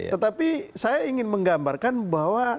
tetapi saya ingin menggambarkan bahwa